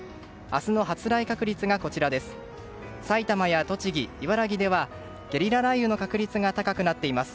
明日の発雷確率がこちらです。